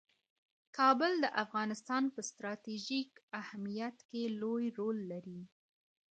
کابل د افغانستان په ستراتیژیک اهمیت کې لوی رول لري.